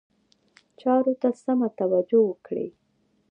چارو ته سمه توجه وکړي.